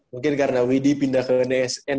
mungkin karena widi pindah ke nsa